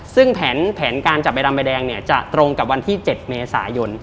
ซึ่งแผนการจับใบดำใบแดงเนี่ยจะตรงกับวันที่๗เมษายน